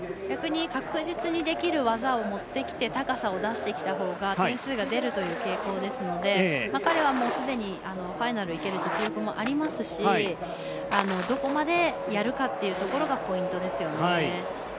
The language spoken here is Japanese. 逆に確実にできる技を持ってきて高さを出してきたほうが点数が出るという傾向ですので彼は、すでにファイナルに行ける実力もありますしどこまでやるかがポイントですね。